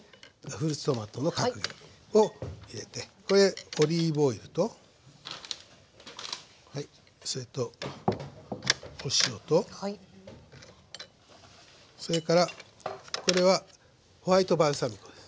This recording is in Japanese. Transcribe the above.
フルーツトマトの角切りを入れてオリーブオイルとそれとお塩とそれからこれはホワイトバルサミコです。